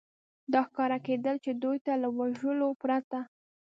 دا ښکاره کېدل، چې دوی ته له وژلو پرته.